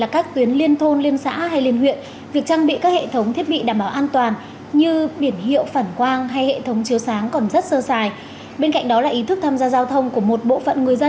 các tuyến bay nội điện an toàn trong trạng thái bình thường mới